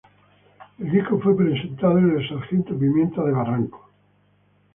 El disco fue presentado en el Sargento Pimienta de Barranco.